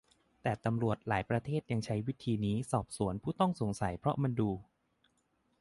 แต่ตำรวจหลายประเทศยังใช้วิธีนี้สอบสวนผู้ต้องสงสัยเพราะมันดู